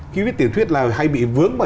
khi viết tiểu tiết là hay bị vướng vào